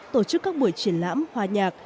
tổ chức các buổi triển lãm hòa nhạc